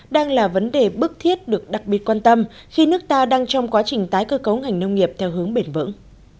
đang là vấn đề bức thiết được đặc biệt quan tâm khi nước ta đang trong quá trình tái cơ cấu ngành nông nghiệp theo hướng bền vững